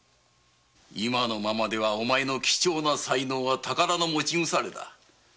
今のままではお前の貴重な才能は「宝の持ち腐れ」。